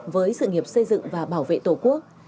với sự nghiệp xây dựng và bảo vệ tổ quốc